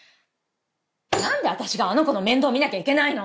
なんで私があの子の面倒見なきゃいけないの！